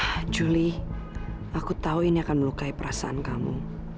aku minta maaf atas keputusan ini